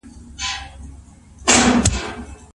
تر ناپاکۍ وروسته باید سمدستي اودس وسي.